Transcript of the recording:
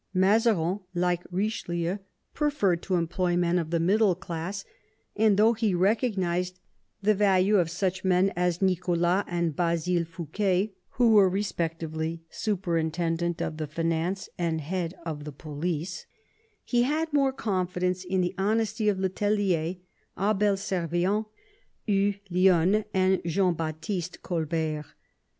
Mazarin, like Eichelieu, preferred to employ men of the middle class ; and though he recog nised the value of such men as Nicholas and Basil Fouquet, who were respectively superintendent of the finance and head of the police, he had more confidence in the honesty of le Tellier, Abel Servien, Hugh Lionne, and Jean Baptiste Colbert.